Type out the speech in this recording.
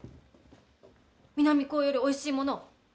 南高よりおいしいもの